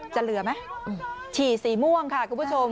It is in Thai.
เหลือไหมฉี่สีม่วงค่ะคุณผู้ชม